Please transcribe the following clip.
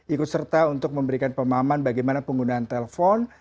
ikut serta untuk memberikan pemahaman bagaimana penggunaan telpon